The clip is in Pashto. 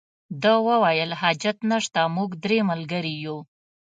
ده وویل حاجت نشته موږ درې ملګري یو.